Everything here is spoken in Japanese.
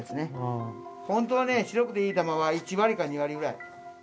本当はね白くていい珠は１割か２割ぐらい。